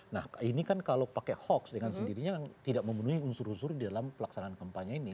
nah ini kan kalau pakai hoax dengan sendirinya tidak memenuhi unsur unsur di dalam pelaksanaan kampanye ini